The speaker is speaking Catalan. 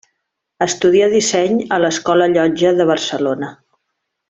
Estudia disseny a l'Escola Llotja de Barcelona.